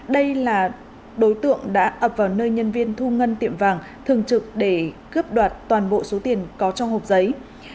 đây là đối tượng đã ập vào nơi nhân viên thu ngân tiệm vàng thường trực để cướp đoạt toàn bộ số tiền có trong hộp giấy